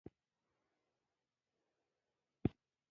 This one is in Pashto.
د کار ځای منظم ساتل د کار موثره کولو سبب کېږي.